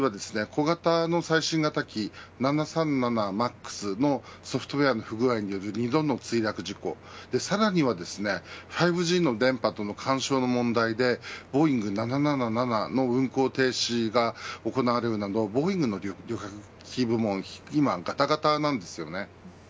小型の最新型機７３７ＭＡＸのソフトウエアの不具合による２度の墜落事故さらには５Ｇの電波との干渉の問題でボーイング７７７の運航停止が行われるなどボーイングの旅客機部門は日々がたがたなんですね。